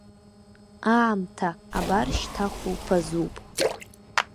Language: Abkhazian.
Аамҭа, абар шьҭа хәылԥазуп!